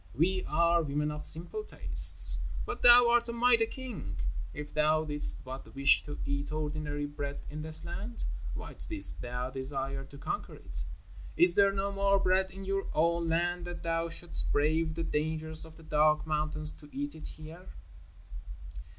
"We are women of simple tastes, but thou art a mighty king. If thou didst but wish to eat ordinary bread in this land, why didst thou desire to conquer it? Is there no more bread in your own land that thou shouldst brave the dangers of the dark mountains to eat it here?"